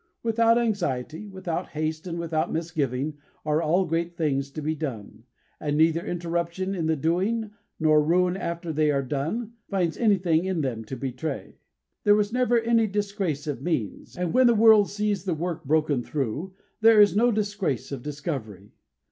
Without anxiety, without haste, and without misgiving are all great things to be done, and neither interruption in the doing nor ruin after they are done finds anything in them to betray. There was never any disgrace of means, and when the world sees the work broken through there is no disgrace of discovery.